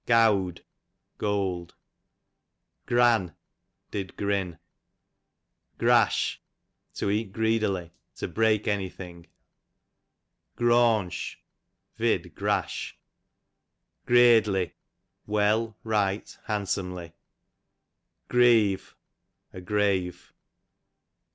Gowd, gold. Gran, did grin. Grash, to eat greedily, to break any thing. Graunch, vid. grash. Greadly, well, right, handsomely. Greave, a grave.